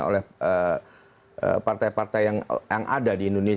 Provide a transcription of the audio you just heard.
oleh partai partai yang ada di indonesia